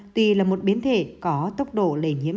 tuy là một biến thể có tốc độ lây nhiễm